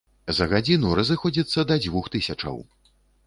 За гадзіну разыходзіцца да дзвюх тысячаў.